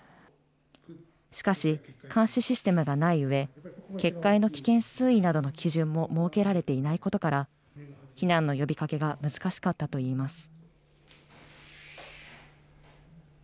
しかし、監視システムがないうえ、決壊の危険水位などの基準も設けられていないことから、避難の呼びかけが難しかったといいます。